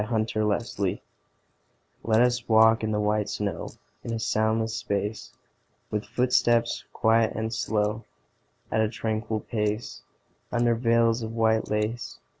VELVET SHOES Let us walk in the white snow In a soundless space; With footsteps quiet and slow, At a tranquil pace, Under veils of white lace.